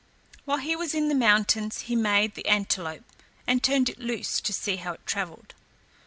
While he was in the mountains he made the antelope, and turned it loose to see how it travelled.